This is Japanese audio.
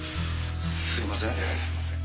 すみません。